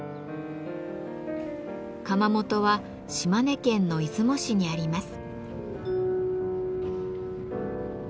窯元は島根県の出雲市にあります。